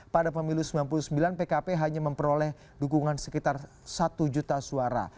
pada pemilu sembilan puluh sembilan pkp hanya memperoleh dukungan sekitar satu juta suara